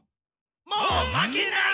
もう負けない！